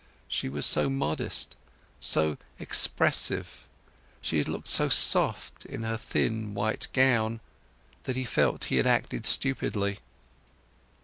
She was so modest, so expressive, she had looked so soft in her thin white gown that he felt he had acted stupidly.